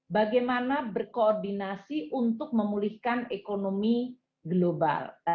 bagaimana berkoordinasi untuk memulihkan ekonomi global